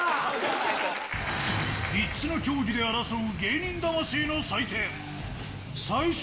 ３つの競技で争う芸人魂の祭典。